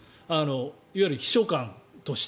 いわゆる秘書官として。